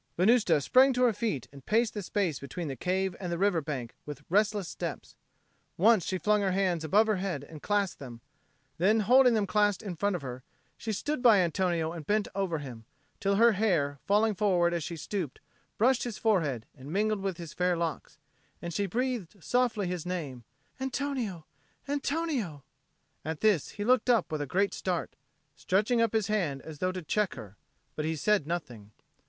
Venusta sprang to her feet and paced the space between the cave and the river bank with restless steps. Once she flung her hands above her head and clasped them; then, holding them clasped in front of her, she stood by Antonio and bent over him, till her hair, falling forward as she stooped, brushed his forehead and mingled with his fair locks; and she breathed softly his name, "Antonio, Antonio!" At this he looked up with a great start, stretching up his hand as though to check her; but he said nothing.